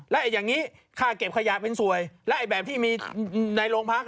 และอย่างนี้ค่าเก็บขยะเป็นสวยและแบบที่มีในโรงพัก